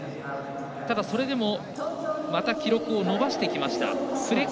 それでもまた記録を伸ばしてきました。